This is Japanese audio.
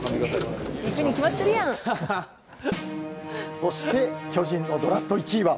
そして巨人のドラフト１位は。